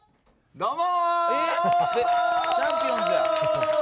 どうも。